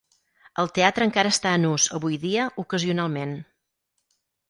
El teatre encara està en ús avui dia ocasionalment.